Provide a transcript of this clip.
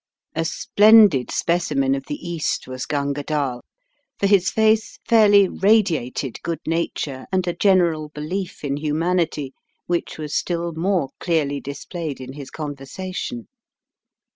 A splendid specimen of the East was Gunga Dall, for his face fairly radiated good nature and a general belief in humanity, which was still more clearly dis played in his conversation.